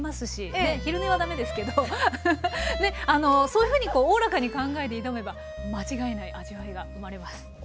そういうふうにこうおおらかに考えて挑めば間違いない味わいが生まれます。